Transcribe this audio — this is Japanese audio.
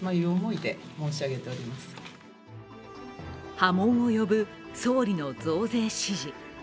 波紋を呼ぶ総理の増税指示。